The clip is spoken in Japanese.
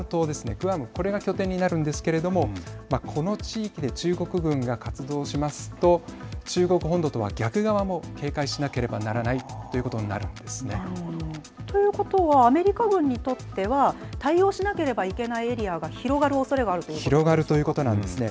グアム拠点になるんですけれどもこの地域で中国軍が活動しますと中国本土とは逆側も警戒しなければならないということはアメリカ軍にとっては対応しなければいけないエリアが広がるおそれがあるということなんですか。